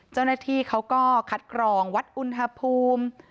เจ้าหน้าที่เขาก็คัดกรองวัดอุณหภูมิ